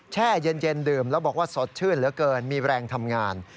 แช่เย็นดื่มแล้วบอกว่าสดชื่นเหลือเกินมีแรงทำงาน